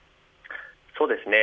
そうですね。